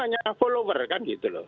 lainnya itu follower kan gitu loh